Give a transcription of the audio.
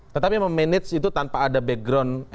tetapi memanage itu tanpa ada background